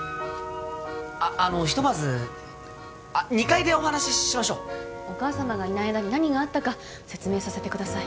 あのひとまず二階でお話ししましょうお母様がいない間に何があったか説明させてください